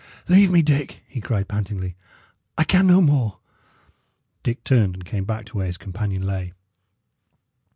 "Leave me, Dick!" he cried, pantingly; "I can no more." Dick turned, and came back to where his companion lay.